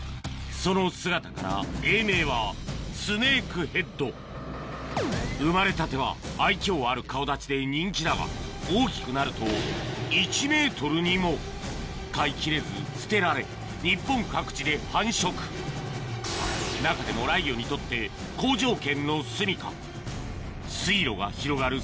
その姿から英名はスネークヘッド生まれたては愛嬌ある顔立ちで人気だが大きくなると飼いきれず捨てられ日本各地で繁殖中でもライギョにとって好条件のすみか水路が広がる